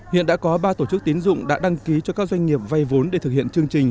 hiện đã có ba tổ chức tiến dụng đã đăng ký cho các doanh nghiệp vay vốn để thực hiện chương trình